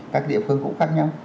các địa phương cũng khác nhau